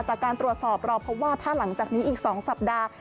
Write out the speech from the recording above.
จากการตรวจสอบเราพบว่าถ้าหลังจากนี้อีก๒สัปดาห์